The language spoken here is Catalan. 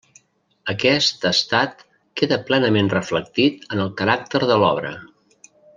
Aquest estat queda plenament reflectit en el caràcter de l'obra.